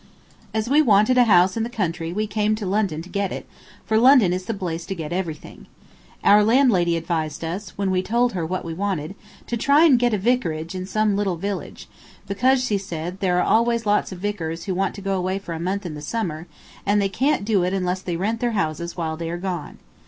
As we wanted a house in the country we came to London to get it, for London is the place to get everything. Our landlady advised us, when we told her what we wanted, to try and get a vicarage in some little village, because, she said, there are always lots of vicars who want to go away for a month in the summer, and they can't do it unless they rent their houses while they are gone.